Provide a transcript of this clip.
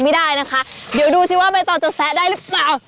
ไม่ได้นะคะเดี๋ยวดูสิว่าใบตองจะแซะได้หรือเปล่า